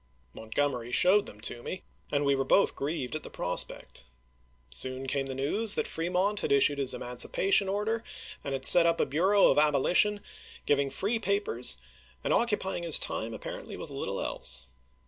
Montgomery showed them to me, and we were both grieved at the prospect. Soon came the news that Fremont had issued his emancipation order, and had set up a bureau of abolition, giving free papers, and occupying his time apparently with little else.